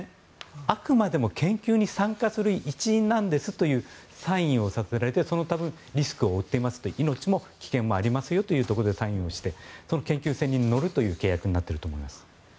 あくまでも研究に参加する一員なんですというサインをさせられてそのリスクを負っていますという命の危険もありますよというところでサインをして研究船に乗るという契約になっていると思います。